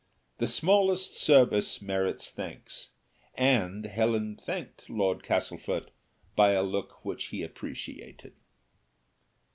The smallest service merits thanks, and Helen thanked Lord Castlefort by a look which he appreciated.